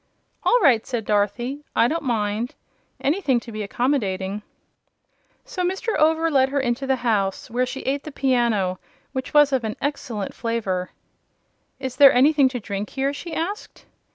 "All right," said Dorothy; "I don't mind. Anything to be accommodating." So Mr. Over led her into the house, where she ate the piano, which was of an excellent flavor. "Is there anything to drink here?" she asked.